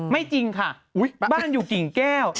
จริงค่ะบ้านอยู่กิ่งแก้ว